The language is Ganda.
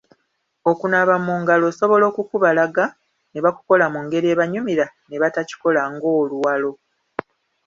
Okunaaba mu ngalo osobola okukubalaga ne bakukola mu ngeri ebanyumira ne batakikola ng’oluwalo.